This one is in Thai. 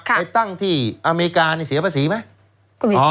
ไปตั้งที่อเมริกาเสียภาษีไหม